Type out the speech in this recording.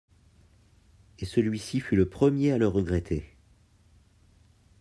Et celui-ci fut le premier à le regretter.